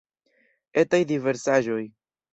Etaj diversaĵoj.